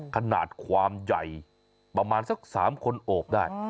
ขนาดความใหญ่ประมาณสัก๓คนโอบได้